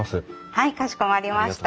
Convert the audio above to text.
はいかしこまりました。